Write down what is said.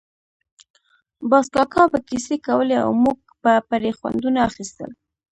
باز کاکا به کیسې کولې او موږ به پرې خوندونه اخیستل.